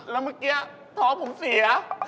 แล้วเมื่อกี้ท้องผมเสีย